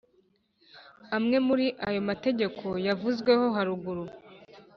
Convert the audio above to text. amwe muri ayo mategeko yavuzweho haruguru.